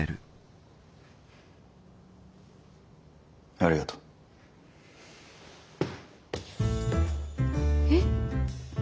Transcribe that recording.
ありがとう。えっ？